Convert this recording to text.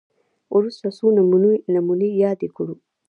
وروسته څو نمونې یادې کړو